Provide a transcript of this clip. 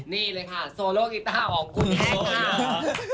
นี่เลยค่ะโซโลกีตาร์ของกูแท้ค่ะ